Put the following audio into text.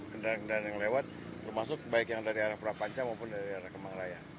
kendaraan kendaraan yang lewat termasuk baik yang dari arah purapanca maupun dari arah kemangiraya